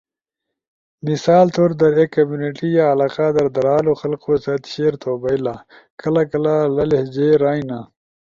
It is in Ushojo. مثال طور در ایک کمیونٹی یا علاقہ در دھرالو خلقو ست شیئر تھو بئیلا۔ کلہ کلہ لی لہجے رائینا۔